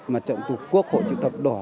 mặt trận tục quốc hội trực tập đỏ